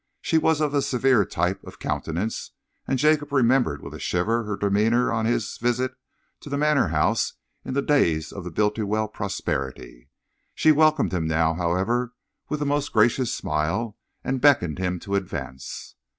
She was of a severe type of countenance, and Jacob remembered with a shiver her demeanour on his visit to the Manor House in the days of the Bultiwell prosperity. She welcomed him now, however, with a most gracious smile, and beckoned him to advance.